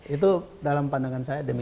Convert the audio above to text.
itu dalam pandangan saya demikian